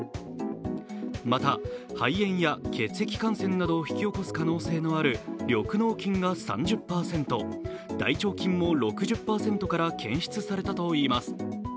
また肺炎や血液感染などを引き起こす可能性のある緑のう菌が３０％、大腸菌も６０％から検出されたといいます。